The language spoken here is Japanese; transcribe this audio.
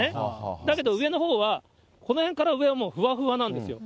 だけど、上のほうは、このへんから上はもうふわふわなんですよ。